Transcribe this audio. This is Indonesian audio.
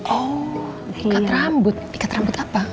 oh tingkat rambut ikat rambut apa